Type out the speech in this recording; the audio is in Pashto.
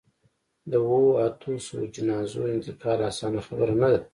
د اوو، اتو سووو جنازو انتقال اسانه خبره نه ده.